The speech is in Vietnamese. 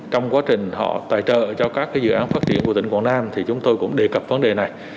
trong quá trình họ tài trợ cho các dự án phát triển của tỉnh quảng nam thì chúng tôi cũng đề cập vấn đề này